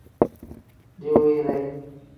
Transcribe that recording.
Diwiire.